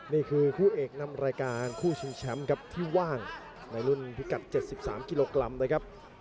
นี่คือคู่เอกนำรายการคู่ชิงแชมป์ครับที่ว่างในรุ่นพิกัด๗๓กิโลกรัมนะครับ